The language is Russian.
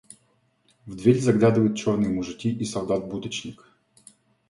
В дверь заглядывают черные мужики и солдат-будочник.